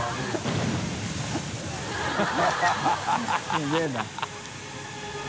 すげぇな。